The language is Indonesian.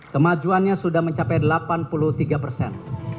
kemajuannya sudah mencapai dalam satu tujuh juta ton per tahun